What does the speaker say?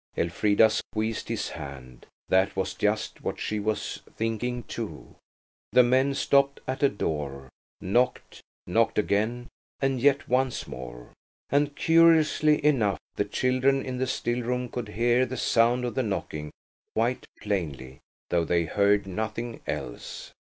Elfrida squeezed his hand. That was just what she was thinking, too. The men stopped at a door, knocked, knocked again, and yet once more. And, curiously enough, the children in the still room could hear the sound of the knocking quite plainly, though they heard nothing else.